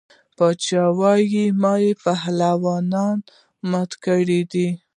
باچا ویل ما یې پهلوانان مات کړي دي.